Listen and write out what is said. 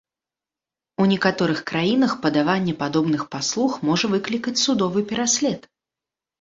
У некаторых краінах падаванне падобных паслуг можа выклікаць судовы пераслед.